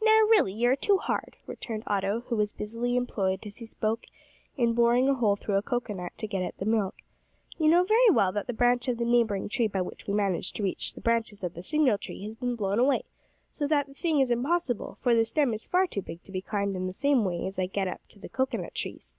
"Now, really you are too hard," returned Otto, who was busily employed as he spoke in boring a hole through a cocoa nut to get at the milk, "you know very well that the branch of the neighbouring tree by which we managed to reach the branches of the signal tree has been blown away, so that the thing is impossible, for the stem is far too big to be climbed in the same way as I get up the cocoa nut trees."